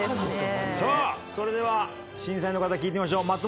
さあそれでは審査員の方に聞いてみましょう。